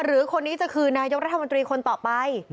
หรือคนนี้จะคือนายกรัฐมนตรีคนต่อไป